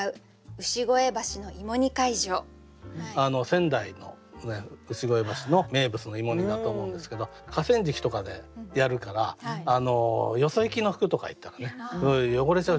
仙台の牛越橋の名物の芋煮だと思うんですけど河川敷とかでやるからよそ行きの服とかいったらね汚れちゃうじゃないですか。